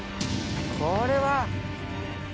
これは。